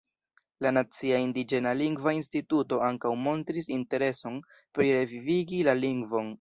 La Nacia Indiĝena Lingva Instituto ankaŭ montris intereson pri revivigi la lingvon.